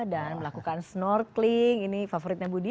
dan melakukan snorkeling ini favoritnya budi